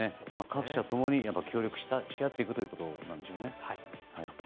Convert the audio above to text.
各社共に協力し合っていくということなんでしょうね。